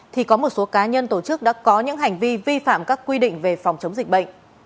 thì có một số cá nhân tổ chức đã có những hành vi vi phạm các quy định về phòng chống dịch bệnh